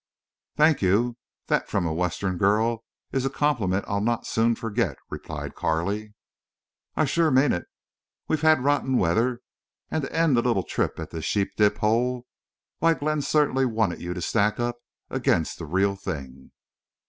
"Thank you. That from a Western girl is a compliment I'll not soon forget," replied Carley. "I shore mean it. We've had rotten weather. And to end the little trip at this sheep dip hole! Why, Glenn certainly wanted you to stack up against the real thing!"